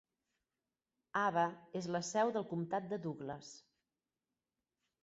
Ava és la seu del comtat de Douglas.